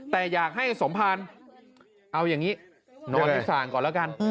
แต่อยากให้สมภารนอนอยู่ทางที่ศานก่อนละกัน